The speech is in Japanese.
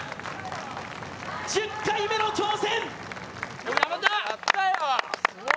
１０回目の挑戦！